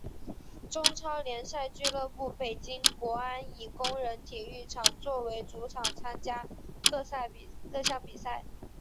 中超联赛俱乐部北京国安以工人体育场作为主场参加各项比赛。